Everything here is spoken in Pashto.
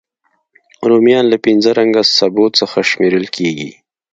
رومیان له پینځه رنګه سبو څخه شمېرل کېږي